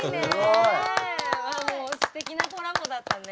すてきなコラボだったね。